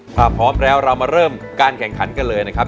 ถ้าพร้อมแล้วเรามาเริ่มการแข่งขันกันเลยนะครับ